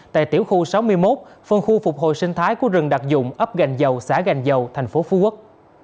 tại tiểu khu sáu mươi một phân khu phục hồi sinh thái của rừng đặc dụng ấp gành dầu xã gành dầu thành phố phú quốc